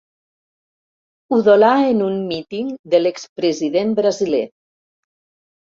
Udolar en un míting de l'ex president brasiler.